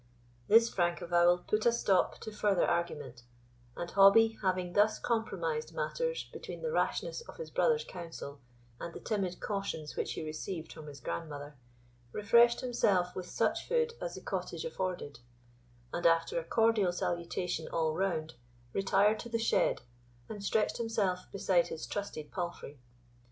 This frank avowal put a stop to further argument; and Hobbie, having thus compromised matters between the rashness of his brother's counsel, and the timid cautions which he received from his grandmother, refreshed himself with such food as the cottage afforded; and, after a cordial salutation all round, retired to the shed, and stretched himself beside his trusty palfrey.